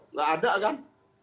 nggak ada kan